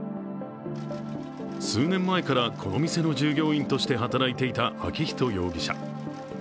数年前からこの店の従業員として働いていた昭仁容疑者。